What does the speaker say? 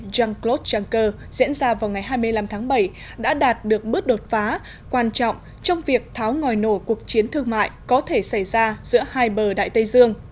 jean claude juncker diễn ra vào ngày hai mươi năm tháng bảy đã đạt được bước đột phá quan trọng trong việc tháo ngòi nổ cuộc chiến thương mại có thể xảy ra giữa hai bờ đại tây dương